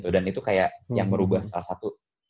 dan itu kayak yang merubah salah satu